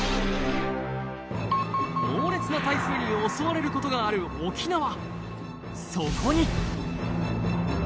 猛烈な台風に襲われることがある沖縄